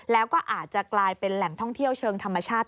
แล้วก็อาจจะกลายเป็นแหล่งท่องเที่ยวเชิงธรรมชาติ